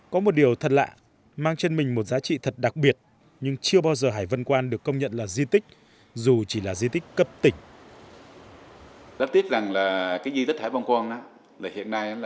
có một điều thật lạ mang trên mình một giá trị thật đặc biệt nhưng chưa bao giờ hải vân quan được công nhận là di tích dù chỉ là di tích cấp tỉnh